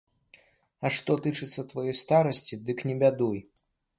А што тычыцца тваёй старасці, дык не бядуй.